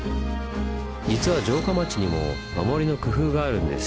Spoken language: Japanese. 実は城下町にも守りの工夫があるんです。